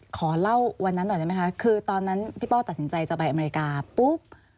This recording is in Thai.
ขอเล่าวันนั้นหน่อยได้ไหมคะคือตอนนั้นพี่เป้าตัดสินใจจะไปอเมริกาปุ๊บ